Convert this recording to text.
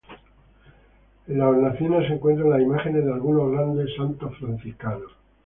En las hornacinas se encuentran las imágenes de algunos grandes santos franciscanos.